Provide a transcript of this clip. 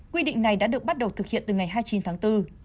quy định này đã được bắt đầu thực hiện từ ngày hai mươi chín tháng bốn